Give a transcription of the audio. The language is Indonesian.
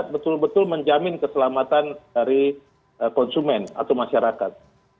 betul betul menjamin keselamatan dari konsumen atau masyarakat